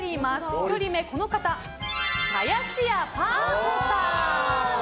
１人目は、林家パー子さん。